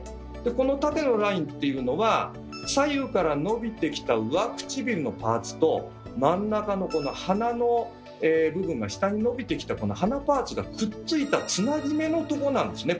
この縦のラインっていうのは左右から伸びてきた上唇のパーツと真ん中のこの鼻の部分が下に伸びてきたこの鼻パーツがくっついたつなぎ目のとこなんですね